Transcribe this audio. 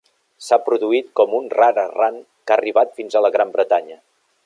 S'ha produït com un rar errant que ha arribat fins a la Gran Bretanya.